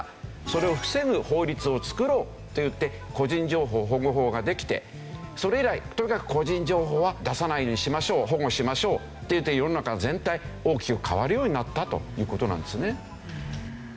それを防ぐ法律を作ろうといって個人情報保護法ができてそれ以来とにかく個人情報は出さないようにしましょう保護しましょうっていって世の中全体大きく変わるようになったという事なんですね。